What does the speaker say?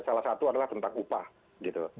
salah satu adalah tentang upah gitu